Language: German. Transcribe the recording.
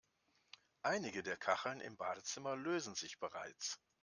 Einige der Kacheln im Badezimmer lösen sich bereits.